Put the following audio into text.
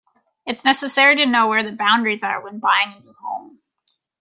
It's necessary to know where the boundaries are when buying a new home.